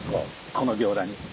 この行田に。